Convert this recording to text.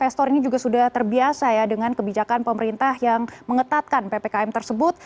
investor ini juga sudah terbiasa ya dengan kebijakan pemerintah yang mengetatkan ppkm tersebut